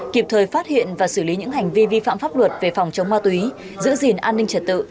kịp thời phát hiện và xử lý những hành vi vi phạm pháp luật về phòng chống ma túy giữ gìn an ninh trật tự